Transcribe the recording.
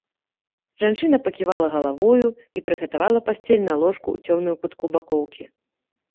Жанчына паківала галавою і прыгатавала пасцель на ложку ў цёмным кутку бакоўкі.